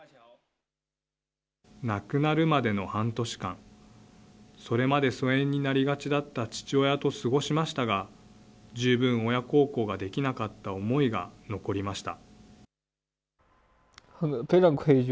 亡くなるまでの半年間、それまで疎遠になりがちだった父親と過ごしましたが、十分親孝行ができなかった思いが残りました。